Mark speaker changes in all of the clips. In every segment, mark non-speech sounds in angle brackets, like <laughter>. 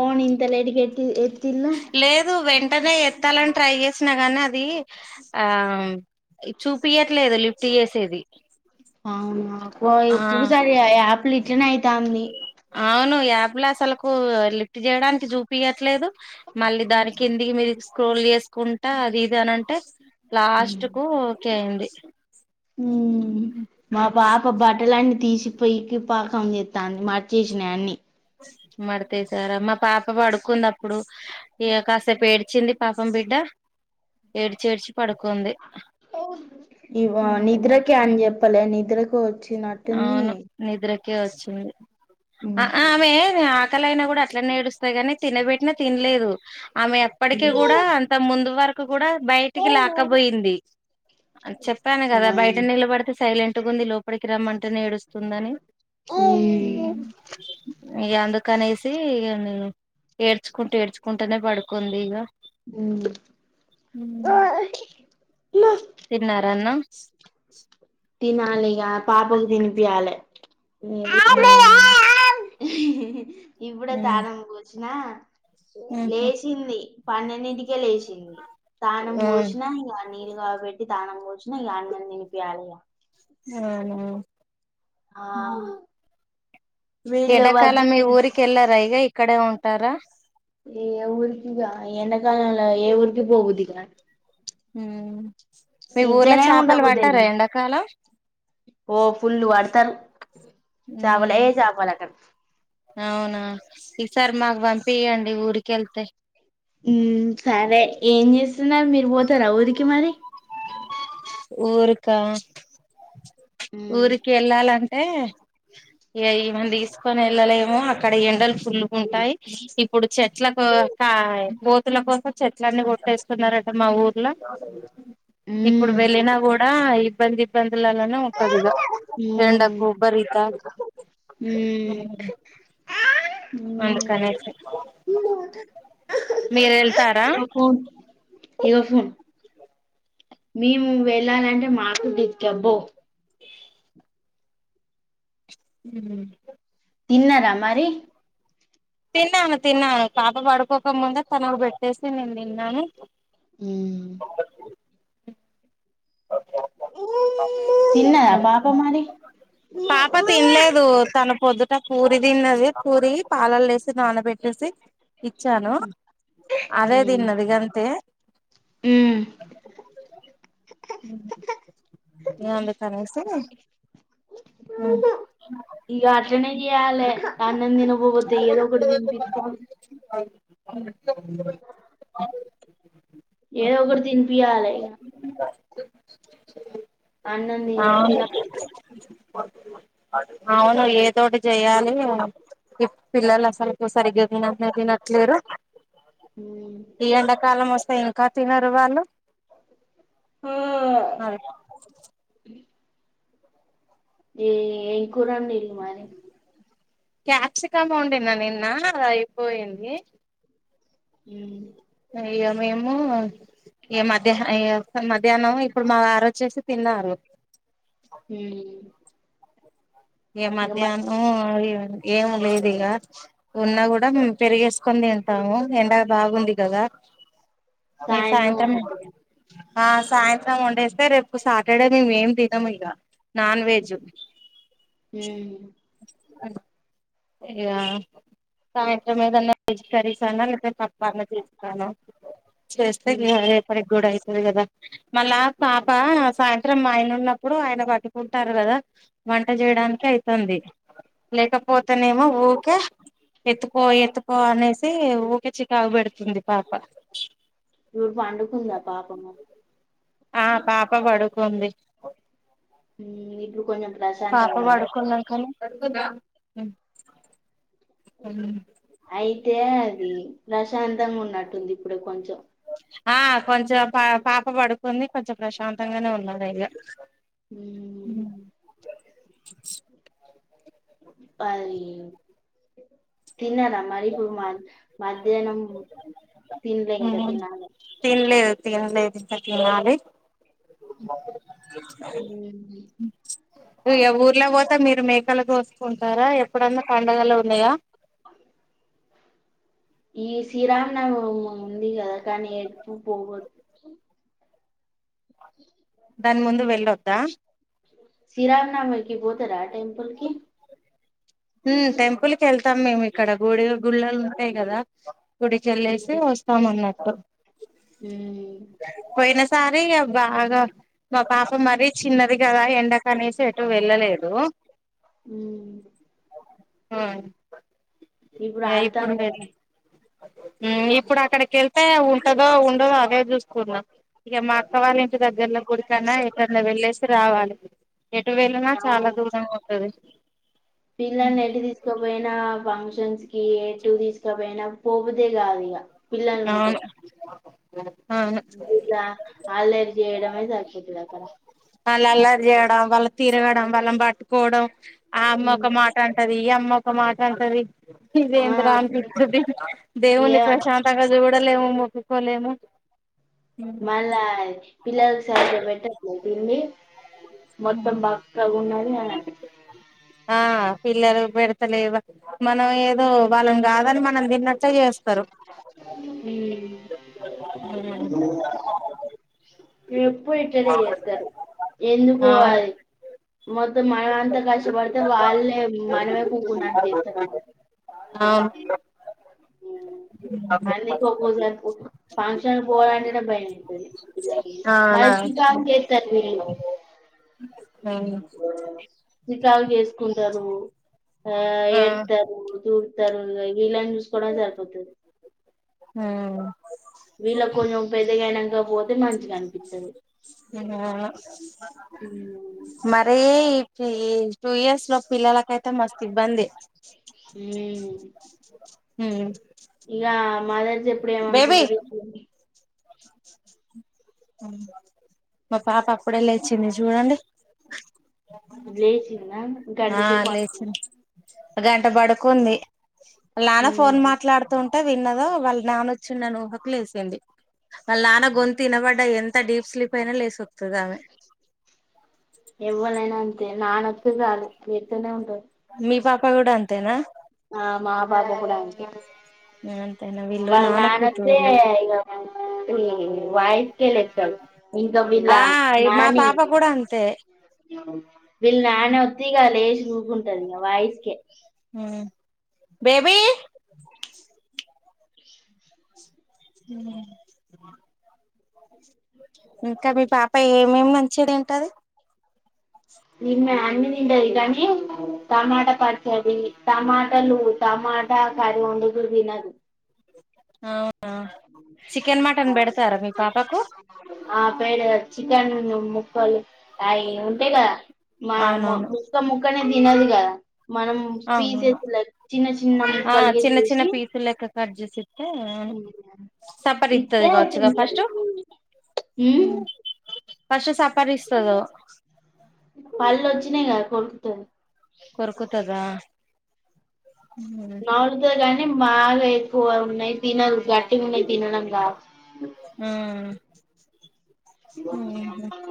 Speaker 1: Phone ఇంత లేటుగా ఎత్తి ఎత్తిల్లు
Speaker 2: లేదు వెంటనే ఎ. ఎత్తాలని ట్రై యేసినా గానీ అదీ ఆమ్. ఇ చూపయట్లేదు లిఫ్ట్ యేసేది.
Speaker 1: ఓ ఇప్పుసారే యాపిల్ ఇట్లనే అయితంది.
Speaker 2: అవును యాప్ ల అసలకూ, లిఫ్ట్ చేయడానికి జుపింట్లేదు. మళ్ళీ దాని కిందికి మీదికి స్క్రోల్ చేసుకుంటా, అది ఇది అన అంటే, లాస్ట్ కూ. ఏందీ.
Speaker 1: ఉమ్ మా. బాప బట్టలన్నీ తీసి పొయికి పాకం జెత్తాంది, మర్చేసిన అన్ని.
Speaker 2: మడితేశారా, మా పాప పడుకుంది అప్పుడు, ఇగ కాసేపు ఏడ్చింది, పాపం బిడ్డ. ఏడ్చి ఏడ్చి, పడుకుంది.
Speaker 1: ఇగొ
Speaker 2: ఉమ్
Speaker 1: నిద్రకె అని చెప్పలే, నిద్రకు. చ్చి నటుంది.
Speaker 2: కె వచ్చింది అ ఆ ఆమె అ. పక్కలయినా కూడా అట్లానే ఎడుస్తాదీ గనీ, తినబెట్టినా తినలేదు. ఆమె ఎప్పటికిీ కూడా, అంత ముందు వర. కూడా బయటికి లాకపోయింది, అన్ చెప్పాను గదా బయట నిలబడితే సైలెం. కట్టుకుంది లోపడి. క్రమ్ అంటే ఏడుస్తుందని ఇ అందుకనేసీ. తి ఇగ నేను, ఏడ్చుకుంట ఏడ్చుకుంటేనే, పడుకోంది ఇగ.
Speaker 1: ఉమ్.
Speaker 2: తిన్నారాన్నామ్.
Speaker 1: తినాలి ఇగా పాపకి తినిపియాలె
Speaker 2: మ్
Speaker 1: ఇప్పుడే తానం కోచ్చిన
Speaker 2: ఉహు
Speaker 1: లేచింది పన్నెన్నింటికే లేచింది తానం పోసినా ఇంక నీళ్ళు కాకబెట్టి తానం పొచ్చినా ఇగ అన్నం తినిపియాలే ఇగ
Speaker 2: ఆవునవును
Speaker 1: ఆ వీళ్ళు వచ్చి
Speaker 2: ఎడకాలం మీ ఊరిక వెల్లారా ఇగ ఇక్కడే ఉంటారా
Speaker 1: ఏ ఊరికి ఇగా ఎండా కాలంలో ఏ ఊరుకి పో బుద్దిగాదు
Speaker 2: మ్ మీ ఊర్లో చేపలు
Speaker 1: ఉండబుద్ది
Speaker 2: పట్టారా
Speaker 1: అయితది
Speaker 2: ఎండాకాలం
Speaker 1: ఓ ఫుల్లు వాడతారు చవాలె
Speaker 2: ఉమ్
Speaker 1: చంపలటరు
Speaker 2: అవునా ఇసారి మాకు పంపియండి ఊరికేళ్తే
Speaker 1: మ్ సరే ఏం చేస్తున్నారు మీరు పోతారా ఊరికి మరి
Speaker 2: ఊరికా
Speaker 1: ఉమ్
Speaker 2: ఊరికి ఏళ్ళాలంటే ఇగా ఈమెని తీసుకొని వెళ్ళలేము అక్కడ ఎండలు పుల్లు ఉంటాయి ఇప్పుడు చెట్లకు హయ్ గోతుల కోసం చెట్లన్నీ కొట్టేస్తున్నారట మా ఊర్లో ఇప్పుడు
Speaker 1: ఉమ్
Speaker 2: వెళ్ళినా గూడా ఇబ్బంది ఇబ్బందులలోనే ఉంటదిగా
Speaker 1: మ్మ్ మ్మ్
Speaker 2: మీరు ఏళ్తారా
Speaker 1: మ్ హు మేము వెళ్ళాలంటే మాకు <unintelligible>
Speaker 2: మ్
Speaker 1: తిన్నార మరి
Speaker 2: తిన్నాను తిన్నాను పాప పడుకోకముందే తనకు పెట్టేసి నేను తిన్నాను
Speaker 1: మ్
Speaker 2: అ ఓకే
Speaker 1: తిన్నదా
Speaker 2: ఓకే
Speaker 1: పాప మరి
Speaker 2: పాప తినలేదు తన పొద్దుట పూరి తిన్నది పూరి పాల్లలో ఏసి నానబెట్టేసి ఇచ్చాను అదే దిన్నది గంతే
Speaker 1: మ్
Speaker 2: అందుకనేసి మ్
Speaker 1: ఇక అట్లనే చేయాలె అన్నం దినకపోతే ఏదో ఒకటి దీన్పితాం
Speaker 2: అ
Speaker 1: ఏదో ఒకటి తినిపీయాలే ఇగ
Speaker 2: స
Speaker 1: అన్నం తిని తినకుంటే
Speaker 2: అవును ఏదోటి చెయాలి పిల్లలు అసలు ఇగ సరిగ్గా తినట్నే తినట్లేరు ఈ ఎండాకాలం వస్తాయి కా తినరు వాళ్ళు అది
Speaker 1: మ్మ్ ఏ ఎం కూర వండినరు మరి
Speaker 2: క్యాప్సికాం వండినా మరి నిన్న అదై పోయింది
Speaker 1: మ్
Speaker 2: ఇగ మేము ఇగ మధ్యాహ మధ్యాహ్నం ఇప్పుడు మా వారో వచ్చేసి తిన్నారు
Speaker 1: మ్మ్
Speaker 2: ఇక
Speaker 1: ఇంగ మళ్ళీ
Speaker 2: మధ్యాహ్నం ఇ ఏం లేదు ఇక ఉన్నా కూడా మేము పెరిగేసుకొని తింటాము ఎండ బాగుంది కదా ఏ సాయంత్రం ఆ సాయంత్రం వండేస్తే రేపు సాటర్డే మేము ఏం తినము ఇక నాన్ వెెజ్
Speaker 1: ఉ
Speaker 2: ఇగ సాయంత్రమేదన్న వెజ్ కర్రీ కానా లేదా పప్పన్న చేస్తే
Speaker 1: ఉమ్.
Speaker 2: రేపటికి కూడా అ కదా మళ్ళా పాప సాయంత్రం ఆయన ఉన్నప్పుడు ఆయన పట్టుకుంటారు కదా వంట చేయడానికి అయితుంది లేకపోతేనేమో ఊరికే ఎత్తుకో ఎత్తుకో అనేసి ఊకే చికాగుబెడుతుంది పాప
Speaker 1: ఇప్పుడు పండుకుందా పాపము
Speaker 2: ఆ పాప పడుకుంది
Speaker 1: ఇలు కొంచెం
Speaker 2: పాప
Speaker 1: ప్రశాంతంగా ఉందా
Speaker 2: పడుకున్నాంకనే
Speaker 1: అయితే అది ప్రశాంతంగా ఉన్నట్టుంది ఇప్పుడు కొంచెం
Speaker 2: ఆ కొంచెం పా పాప పడుకుంది కొంచెం ప్రశాంతంగానే ఉండాలే ఇగ
Speaker 1: ఉమ్ పని తిన్నారా మరి ఇప్పుడు మ మధ్యాహ్నం తినలే
Speaker 2: ఉ
Speaker 1: ఇంకా తినాలి
Speaker 2: తినలేదు తినలేదు ఇంకా తినాలి
Speaker 1: ఉమ్.
Speaker 2: నువ ఊర్లో పోతే మీరు మేకలు కోస్ కుంటారా ఎప్పుడన్నా పండుగలు ఉన్నాయా
Speaker 1: ఈ శ్రీరామనవమి ఉంది కదా కానీ ఎక్కు పోగు
Speaker 2: దాని ముందు వెళ్ళొద్దా
Speaker 1: శ్రీరామనవమికి పోతరా టెంపుల్ కి
Speaker 2: ఉ టెంపుల్కి వెళ్తాం మేము ఇక్కడ గుడి గుళ్ళలు ఉంటాయి కదా గుడికెల్లేసి వస్తామన్నట్టు
Speaker 1: ఉ
Speaker 2: సరేగా బాగా మా పాప మరీ చిన్నది కదా ఎండకనేసి ఎటు వెళ్ళలేదు
Speaker 1: ఉ
Speaker 2: ఆ
Speaker 1: ఇప్పుడు ఆడుతాను
Speaker 2: ఇప్పుడు అక్కడికి వెళ్తే ఉంటదో ఉండదో అదే చూసుకున్నా ఇక మా అక్క వాళ్ళ ఇంటి దగ్గర్లో గుడికనా ఎకన్నా వెళ్ళేసి రావాలే ఎటు వెళ్ళినా చాలా దూరం ఉంటది
Speaker 1: పిల్లని ఎట్టి తీసుకోపోయినా ఫంక్షన్స్ ఏటు తీసుకపోయినా పోబుద్దే కాదు ఇక పిల్లలు ఉంటే
Speaker 2: అవును అవును
Speaker 1: ఇలా అల్లరి చేయడమే సరిపోతది అక్కడ
Speaker 2: వాళ్ళు అల్లరి చేయడం వాళ్ళ తిరగడం వాళ్ళ పట్టుకోవడం ఆ అమ్మ ఒక మాట అంటది ఇ అమ్మ ఒక మాట అంటది
Speaker 1: ఆ
Speaker 2: ఇదేందిరా అనిపిస్తది దేవుని
Speaker 1: ఏమన
Speaker 2: ప్రశాంతంగా చూడలేము ఉప్ప లేము
Speaker 1: మళ్ళా పిల్లకి సరిగ్గా పెట్టాలే దిన్ని మొత్తం బక్కగున్నాలయానడి
Speaker 2: ఆ పిల్లలు పెడతలేవా మనం ఏదో వాళ్ళని కాదని మనం తిన్నట్
Speaker 1: ఉ
Speaker 2: ఆ
Speaker 1: ఎప్పుడు ఇట్నే చేత్తారు ఎందుకు
Speaker 2: ఆ
Speaker 1: పోవాలి మొత్తం మన అంత కష్టపడితే వాళ్ళే మనమే కూకున్నటు చేస్తారు వాళ్ళు
Speaker 2: అవును
Speaker 1: అందుకే ఒక్కోక్కో సారి ఫంక్షన్ పోవాలంటేనే భయమేతది
Speaker 2: అవునా
Speaker 1: మళ్ళీ చికాకు చేత్తరు వీళ్ళు చికాకు చేేసుకుంటరు ఆ ఏడ్తారు తుడ్తరు వీళ్ళను చూసుకోవడమే సరిపోతది వీళ్ళ కు కొంచెం పెద్దగా ఐనాక పోతే మంచిగా అనిపిస్తది
Speaker 2: మరి టూ ఇయర్స్ లో పిల్లలకైయితే త్త మస్ ఇబ్బందే ఉ
Speaker 1: ఆ మదర్ జెప్పుడు ఏమనుకుంటది ఇప్పుడు
Speaker 2: మా పాప అప్పుడే లేచ్చింది చూడండి
Speaker 1: లేచందా గంట
Speaker 2: ఆ
Speaker 1: చేపు పడు
Speaker 2: లేచింది గంట పడుకుంది వాళ్ళ నాన్న ఫోన్
Speaker 1: ఉమ్
Speaker 2: మాట్లాడుతుం విన్నదో వాళ్ళ నాన్న వచ్చిండన ఊహకు లేసిేంది వాళ్ళ నాన్న గొంతు వినబడ్డ ఎంత డీప్ స్లీప్ అయినా లేసుంది
Speaker 1: ఎవలైనా అంతే నాన్న వస్తే చాలు లేతనే ఉంటరు
Speaker 2: మీ పాపా కూడా అంతేనా
Speaker 1: ఆ మా పాప కూడా అంతే
Speaker 2: అంతేనా వీళ్ళు
Speaker 1: వాళ్ల నాన్న వస్తే
Speaker 2: కూతుర్లు
Speaker 1: ఇగ వాయిస్ కే లేస్తారు ఇంకా వీళ్ళ
Speaker 2: ఆ మా
Speaker 1: నాని
Speaker 2: పాప కూడా అంతే
Speaker 1: వీళ్ళ నాని వత్తే ఇగా లేసి ఊకుంటది ఇగ వాయిస్కే
Speaker 2: ఉ బేబీ ఉ ఇంకా మీ పాప ఏమేమి మంచిగా తింటది
Speaker 1: ఈమె అన్ని తింటది కానీ టమాటా పచ్చడి టమాటలు టమా టమాట కర్రీ వండితే తినదు
Speaker 2: అవునా చికెన్, మటన్ పెడతారా మీ పాపకు
Speaker 1: ఆ పేడు చికెన్ ముక్కలు అవి ఉంటాయి కదా మా
Speaker 2: అవునవును
Speaker 1: ముక్క ముక్కనే తినదు కదా మనం
Speaker 2: అవునవును
Speaker 1: పీసేసి లైక్ చిన్న చిన్న
Speaker 2: ఆ
Speaker 1: మక్కలుగా
Speaker 2: చిన్న చిన్న
Speaker 1: చేసి
Speaker 2: పీసులు లెక్క కట్ చేసి ఇస్తే అవును సప్పరి ఇత్తది
Speaker 1: ఇతే
Speaker 2: కావచ్చుగా
Speaker 1: తింటది.
Speaker 2: ఫస్ట్
Speaker 1: ఉ
Speaker 2: ఫస్ట్ సప్పరిస్తాదో
Speaker 1: చినయి కదా కొరుకుతది
Speaker 2: కోర్కుతదా
Speaker 1: నవులుతది కానీ బాగా ఎక్కువ ఉన్నాయి తినదు గట్టిగా ఉన్నాయి తినడం రా
Speaker 2: ఉ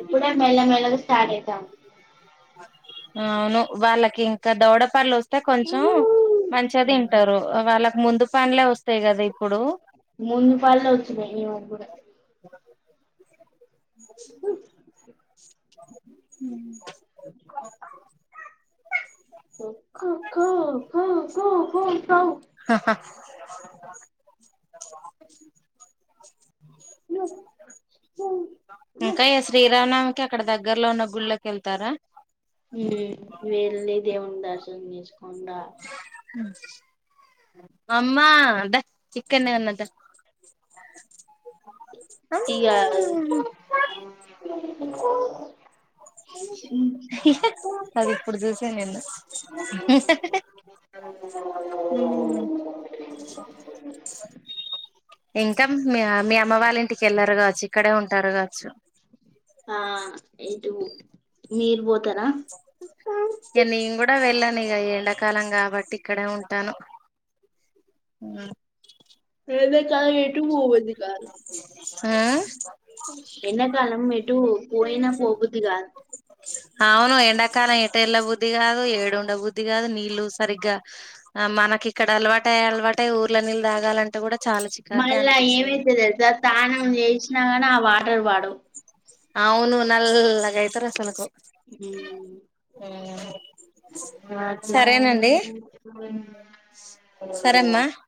Speaker 1: ఇప్పుడే మెల్ల మెల్లగా స్టార్ట్ అవు
Speaker 2: అవును వాళ్ళకి ఇంకా దౌడపళ్ళు వ అయితే కొంచెం మంచిదింటారు వాళ్ళకు ముందు పళ్ళె వస్తాయి కదా ఇప్పుడు
Speaker 1: ముందు పళ్ళె వచ్చినాయి ఈమె కి కూడా
Speaker 2: ఉ
Speaker 1: కో కోకో కో కో
Speaker 2: <inaudible> ఇంకా
Speaker 1: ఉమ్
Speaker 2: శ్రీరామనామికి అక్కడ దగ్గర్లో ఉన్న గుళ్ళకి వెళ్తారా
Speaker 1: వెళ్ళి దేవుని దర్శనం చేసుకోనిడా
Speaker 2: అమ్మా దా ఇక్కనే ఉన్నా దా <inaudible>
Speaker 1: ఇగాల
Speaker 2: అ <unintelligible> <inaudible> అది ఇప్పుడు చూసాను నిన్ను ఉం ఇంకా మీ అ మీ అమ్మ వాళ్ళ ఇంటికి ఎళ్లరా కావచ్చు ఇక్కడే ఉంటారు కావచ్చు
Speaker 1: ఆ ఎటు మీరు పోతారా
Speaker 2: ఇగా ఎండాకాలం కాబట్టి ఇక్కడే ఉంటాను ఉం
Speaker 1: ఎండాకాలం ఎటు పో బుద్ది కాదు
Speaker 2: అ
Speaker 1: ఎండకాలం ఎటు పోయినా పోబుద్ధి కాదు
Speaker 2: అవును ఎండాకాలం ఎటేళ్ళ బుద్ధి కాదు ఎడ ఉండబుద్ధి కాదు నీళ్ళు సరిగ్గా మన మాకి ఇక్కడ అలవాటై అలవాటై ఊర్ల నీళ్ళ తాగాలంటే కూడా చాలా చికాకే
Speaker 1: మళ్ళా
Speaker 2: అనిపిస్తది
Speaker 1: ఏమైతది తెలుసా స్నానం చేసినా కానీ ఆ వాటర్ పడవు
Speaker 2: అవును నల్లగైతారు అసలకు
Speaker 1: ఉం
Speaker 2: అహా <inaudible>
Speaker 1: న అట్లా
Speaker 2: సరేమ్మా